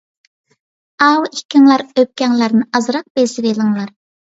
ئاۋۇ ئىككىڭلار ئۆپكەڭلارنى ئازراق بېسىۋېلىڭلار.